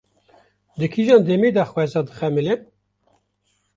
Di kîjan demê de xweza dixemile?